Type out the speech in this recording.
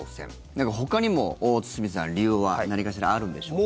なんかほかにも堤さん、理由は何かしらあるんでしょうか。